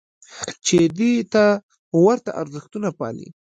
چې دې ته ورته ارزښتونه پالي.